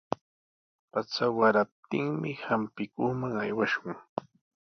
Pacha waraptinmi hampikuqman aywashun.